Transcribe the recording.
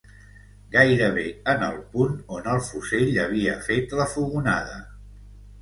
Gairebé en el punt on el fusell havia fet la fogonada